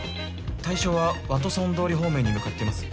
対象はワトソン通り方面に向かっています。